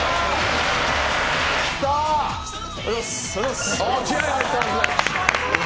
おはようございまっす！